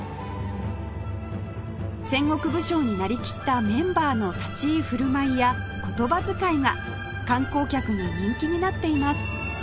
戦国武将になりきったメンバーの立ち居振る舞いや言葉遣いが観光客に人気になっています